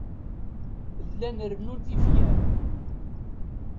Llan rennun tifyar.